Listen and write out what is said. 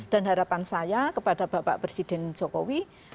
dan harapan saya kepada bapak presiden jokowi